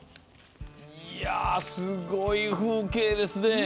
すごい風景ですね。